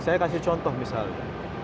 saya kasih contoh misalnya